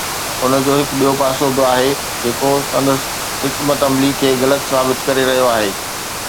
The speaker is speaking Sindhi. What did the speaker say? ان جو هڪ ٻيو پاسو به آهي جيڪو سندس حڪمت عملي کي غلط ثابت ڪري رهيو آهي.